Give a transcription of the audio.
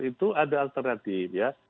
itu ada alternatif ya